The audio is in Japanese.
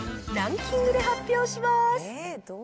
ランキングで発表します。